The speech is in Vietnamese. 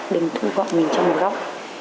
đừng thu gọn mình trong một góc